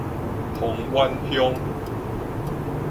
芳苑鄉